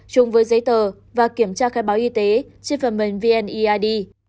chung với giấy tờ và kiểm tra khai báo y tế trên phần mềm vneid